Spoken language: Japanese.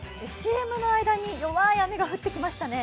ＣＭの間に弱い雨が降ってきましたね。